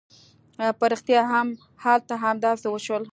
په رښتيا هم هلته همداسې وشول.